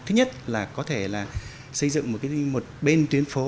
thứ nhất là có thể xây dựng một bên tuyến phố